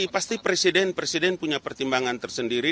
pasti presiden presiden punya pertimbangan tersendiri